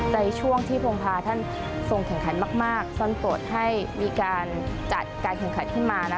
ในช่วงที่พรมพาท่านทรงแข่งขันมากซ่อนโปรดให้มีการจัดการแข่งขันขึ้นมา